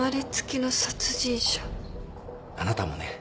あなたもね。